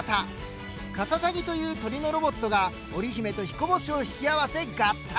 カササギという鳥のロボットが織姫と彦星を引き合わせ合体！